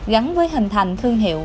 gắn với hình thành thương hiệu